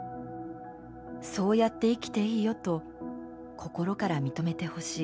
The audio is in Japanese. そうやって生きていいよと心から認めてほしい」。